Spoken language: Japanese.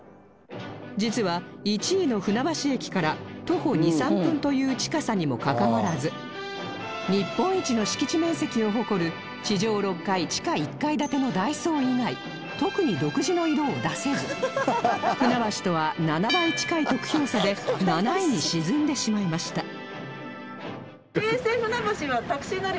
実は１位の船橋駅から徒歩２３分という近さにもかかわらず日本一の敷地面積を誇る地上６階地下１階建てのダイソー以外特に独自の色を出せず船橋とは７倍近い得票差で７位に沈んでしまいました